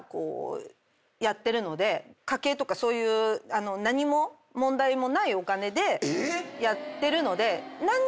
家計とかそういう何も問題もないお金でやってるので。